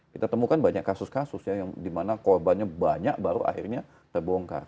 kita temukan banyak kasus kasus yang dimana korbannya banyak baru akhirnya terbongkar